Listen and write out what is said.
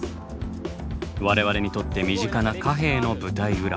我々にとって身近な貨幣の舞台裏。